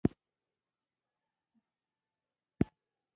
ښوونکي او مدیریت یې په ویر اخته کړي.